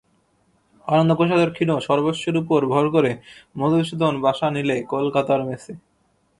আনন্দ ঘোষালের ক্ষীণ সর্বস্বের উপর ভর করে মধুসূদন বাসা নিলে কলকাতার মেসে।